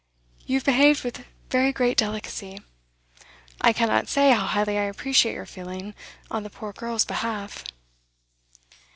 You have behaved with very great delicacy; I cannot say how highly I appreciate your feeling on the poor girl's behalf.